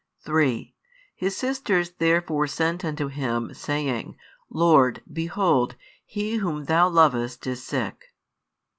3 His sisters therefore sent unto Him, saying, Lord, behold, he whom Thou lovest is sick.